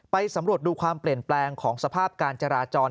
สำรวจดูความเปลี่ยนแปลงของสภาพการจราจร